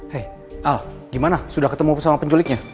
hei al gimana sudah ketemu sama penculiknya